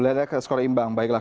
melihatnya ke skor imbang baiklah